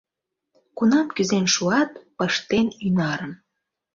Кунам кӱзен шуат, пыштен ӱнарым.